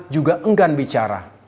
juga enggan bicara